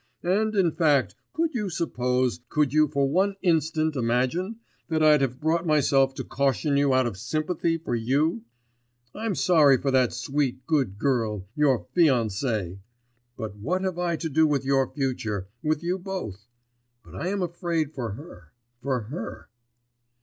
And, in fact, could you suppose, could you for one instant imagine, that I'd have brought myself to caution you out of sympathy for you? I'm sorry for that sweet, good girl, your fiancée, but what have I to do with your future, with you both?... But I am afraid for her ... for her.